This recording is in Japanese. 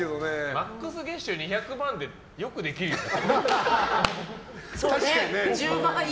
マックス月収２００万でよくできるよね。